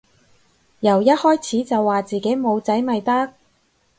由一開始就話自己冇仔咪得